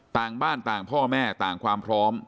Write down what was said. ต่างบ้านต่างพ่อแม่ต่างความพร้อม